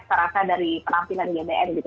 saya rasa dari penampilan gbn gitu